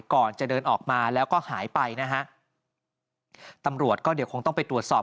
ก่อนจะเดินออกมาแล้วก็หายไปนะฮะตำรวจก็เดี๋ยวคงต้องไปตรวจสอบ